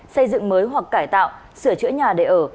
xây dựng mới hoặc cải tạo sửa chữa nhà để ở xã hội